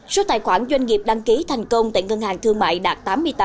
số tài khoản doanh nghiệp đăng ký thành công tại ngân hàng thương mại đạt tám mươi tám hai mươi hai